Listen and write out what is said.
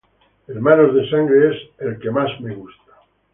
Hermanos de sangre es el que más me gusta.